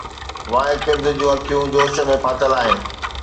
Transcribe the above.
Y ڪرد جون اکيون جوش ۾ ڦاٿل آهن